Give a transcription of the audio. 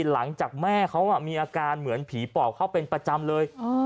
หลังจากแม่เขามีอาการเหมือนผีปอบเข้าเป็นประจำเลย